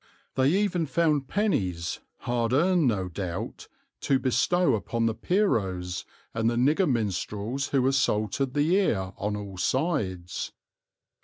They even found pennies, hard earned no doubt, to bestow upon the Pierrots and the nigger minstrels who assaulted the ear on all sides.